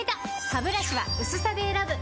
ハブラシは薄さで選ぶ！